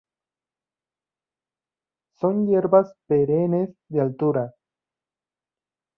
Son hierbas perennes de altura.